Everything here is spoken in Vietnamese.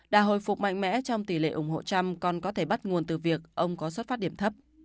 đà hồi phục mạnh mẽ trong tỷ lệ ủng hộ trump còn có thể bắt nguồn từ việc ông có xuất phát điểm thấp